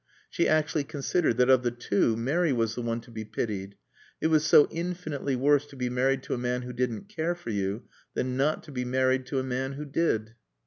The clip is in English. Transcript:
She actually considered that, of the two, Mary was the one to be pitied; it was so infinitely worse to be married to a man who didn't care for you than not to be married to a man who did.